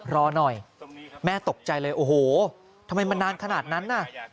รอหน่อยแม่ตกใจเลยโอ้โหทำไมมันนานขนาดนั้นน่ะ